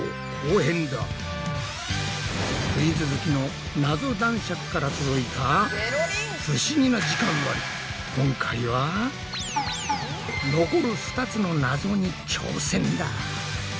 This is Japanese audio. クイズ好きのナゾ男爵から届いた不思議な今回は残る２つのナゾに挑戦だ！